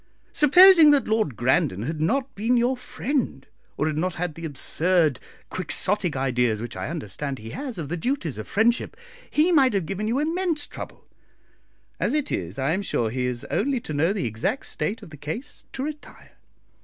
Supposing that Lord Grandon had not been your friend, or had not had the absurd Quixotic ideas which I understand he has of the duties of friendship, he might have given you immense trouble; as it is, I am sure he has only to know the exact state of the case to retire.